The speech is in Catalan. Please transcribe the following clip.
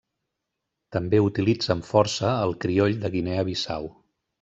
També utilitzen força el crioll de Guinea Bissau.